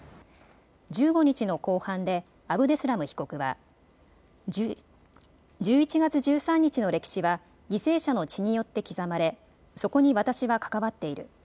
１５日の公判でアブデスラム被告は１１月１３日の歴史は犠牲者の血によって刻まれそこに私は関わっている。